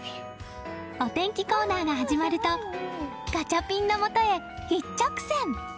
お天気コーナーが始まるとガチャピンのもとへ一直線！